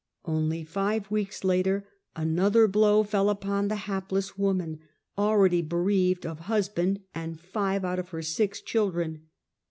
Only five weeks later another blow fell upon the hapless woman, already bereaved of husband and five out of her six children.